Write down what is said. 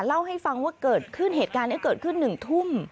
เล่าให้ฟังว่าเกิดขึ้นเหตุการณ์นี้เกิดขึ้น๑ทุ่ม